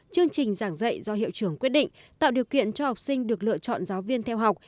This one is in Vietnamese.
chương trình giảng dạy do hiệu trưởng quyết định tạo điều kiện cho học sinh được lựa chọn giáo viên theo học